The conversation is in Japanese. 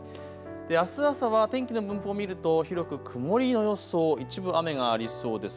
あす朝は天気の分布を見ると広く曇りの予想、一部、雨がありそうです。